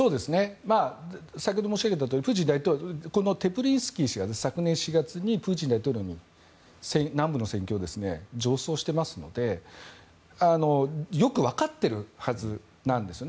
先ほど申し上げたとおりプーチン大統領テプリンスキー氏が昨年４月にプーチン大統領に南部の戦況を上奏していますのでよくわかってるはずなんですよね